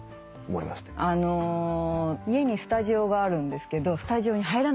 家にスタジオがあるんですけどスタジオに入らないようにしてる。